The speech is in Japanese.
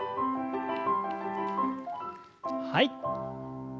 はい。